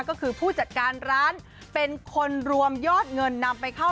ก็คือผู้จัดการร้านเป็นคนรวมยอดเงินนำไปเข้า